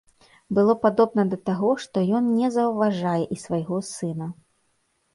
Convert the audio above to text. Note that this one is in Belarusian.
Было падобна да таго, што ён не заўважае і свайго сына.